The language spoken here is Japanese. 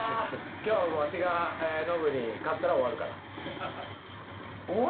今日わしがノブに勝ったら終わるから。